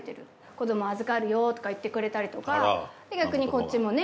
子ども預かるよとか言ってくれたりとか逆にこっちもね